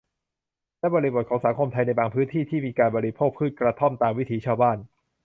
และบริบทของสังคมไทยในบางพื้นที่ ที่มีการบริโภคพืชกระท่อมตามวิถีชาวบ้าน